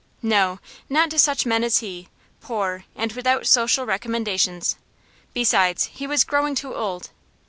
No, not to such men as he poor, and without social recommendations. Besides, he was growing too old.